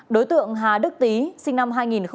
đối tượng hà đức tý sinh năm hai nghìn